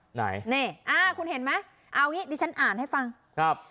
ไหนนี่อ่าคุณเห็นไหมเอางี้ดิฉันอ่านให้ฟังครับ